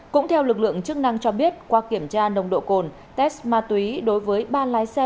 cũng theo lực lượng chức năng cho biết qua kiểm tra nồng độ cồn test ma túy đối với ba lái xe